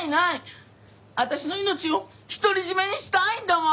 私の命を独り占めにしたいんだわ！